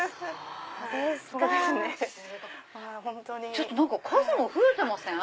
ちょっと数も増えてません？